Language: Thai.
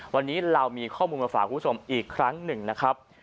วันนี้เรามีข้อมูลมาฝากคุณผู้ชมอีกครั้งหนึ่งนะครับ